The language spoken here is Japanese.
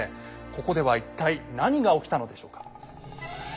ここでは一体何が起きたのでしょうか。